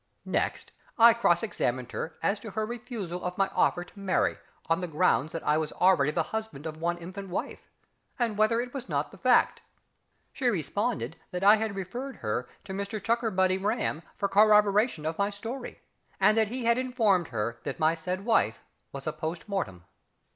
Next I cross questioned her as to her refusal of my offer to marry on the ground that I was already the husband of one infant wife, and whether it was not the fact. She responded that I had referred her to Mr CHUCKERBUTTY RAM for corroboration of my story, and that he had informed her that my said wife was a post mortem.